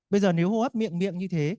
bây giờ nếu hô hấp miệng miệng như thế